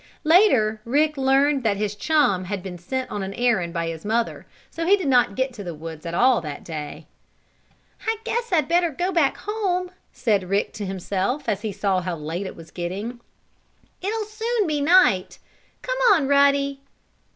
Later Rick learned that his chum had been sent on an errand by his mother, and so did not get to the woods at all that day. "I guess I'd better go back home," said Rick to himself, as he saw how late it was getting. "It'll soon be night. Come on, Ruddy!"